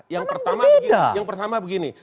yang pertama begini